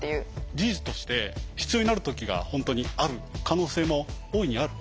事実として必要になる時が本当にある可能性も大いにある。